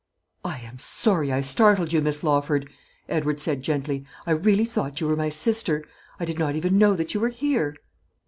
"I am sorry I startled you, Miss Lawford," Edward said, gently; "I really thought you were my sister. I did not even know that you were here."